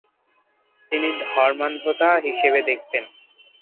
তিনি ধর্মান্ধতা হিসেবে দেখতেন।